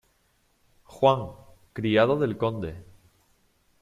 Juan: Criado del conde.